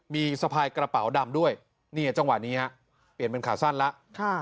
มีสะพายกระเป๋าดำด้วยเนี่ยจังหวะนี้ฮะเปลี่ยนเป็นขาสั้นแล้ว